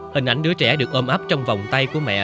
hình ảnh đứa trẻ được ôm ấp trong vòng tay của mẹ